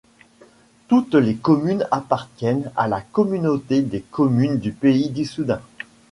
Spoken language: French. Toutes les communes appartiennent à la communauté de communes du Pays d'Issoudun.